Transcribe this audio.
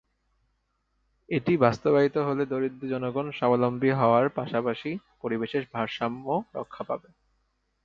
এটি বাস্তবায়িত হলে দরিদ্র জনগণ স্বাবলম্বী হওয়ার পাশাপাশি পরিবেশের ভারসাম্যও রক্ষা পাবে।